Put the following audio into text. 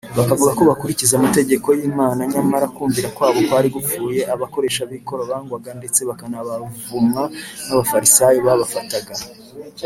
bakavuga ko bakurikiza amategeko y’imana, nyamara kumvira kwabo kwari gupfuye abakoresha b’ikoro bangwaga ndetse bakanabavumwa n’abafarisayo babafataga nk’abanyabyaha